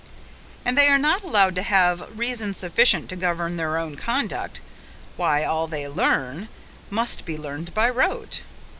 If they are not allowed to have reason sufficient to govern their own conduct why, all they learn must be learned by rote!